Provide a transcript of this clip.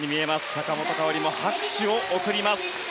坂本花織も拍手を送ります。